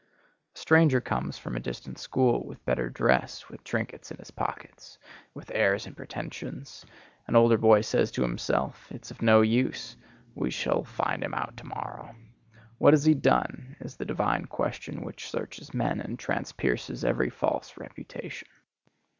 A stranger comes from a distant school, with better dress, with trinkets in his pockets, with airs and pretensions; an older boy says to himself, 'It's of no use; we shall find him out to morrow.' 'What has he done?' is the divine question which searches men and transpierces every false reputation.